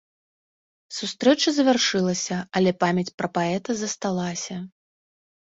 Сустрэча завяршылася, але памяць пра паэта засталася.